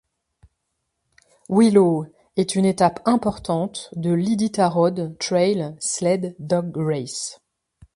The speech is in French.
Willow est une étape importante de l'Iditarod Trail Sled Dog Race.